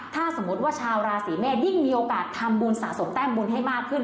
ถ้าสมมุติว่าชาวราศีเมษยิ่งมีโอกาสทำบุญสะสมแต้มบุญให้มากขึ้น